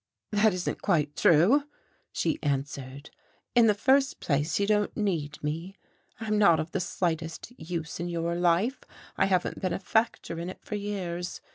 "That isn't quite true," she answered. "In the first place, you don't need me. I am not of the slightest use in your life, I haven't been a factor in it for years.